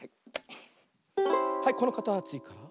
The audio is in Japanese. はいこのかたちから。